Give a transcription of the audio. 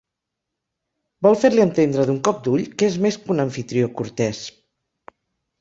Vol fer-li entendre d'un cop d'ull que és més que un amfitrió cortès.